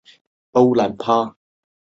埃武拉是位于葡萄牙埃武拉区的城市。